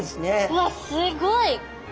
うわっすごい！